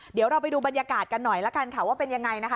เดี๋ยวเราไปดูบรรยากาศกันหน่อยละกันค่ะว่าเป็นยังไงนะคะ